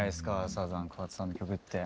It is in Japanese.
サザン桑田さんの曲って。